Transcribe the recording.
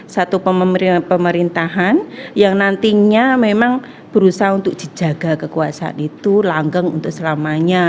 satu pemerintahan yang nantinya memang berusaha untuk dijaga kekuasaan itu langgeng untuk selamanya